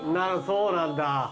そうなんだ。